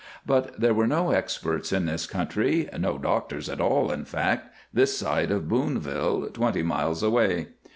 But there were no experts in this country, no doctors at all, in fact, this side of Boonville, twenty miles away.